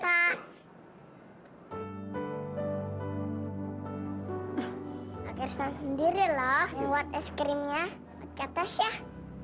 akhirnya sendiri loh buat es krimnya kata syah